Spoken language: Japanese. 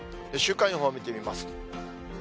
週間予報を見てみます。